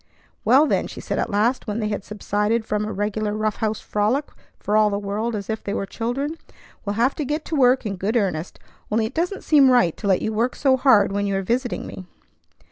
"Well, then," she said at last, when they had subsided from a regular rough house frolic for all the world as if they were children, "we'll have to get to work in good earnest; only it doesn't seem right to let you work so hard when you are visiting me."